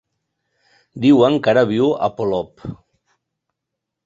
Diuen que ara viu a Polop.